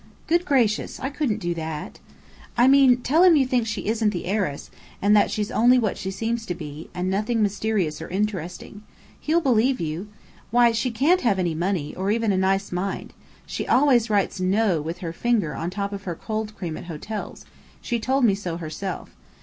"Good gracious! I couldn't do that." "I mean, tell him you think she isn't the heiress, that she's only what she seems to be, and nothing mysterious or interesting. He'll believe you! Why, she can't have any money, or even a nice mind. She always writes 'No,' with her finger on top of her cold cream at hotels, she told me so herself.